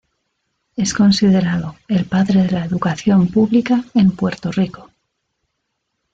Es considerado el "Padre de la Educación Pública en Puerto Rico".